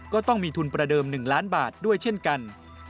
ก็ต้องมีทุนประเดิม๑ล้านบาทด้วยเช่นกัน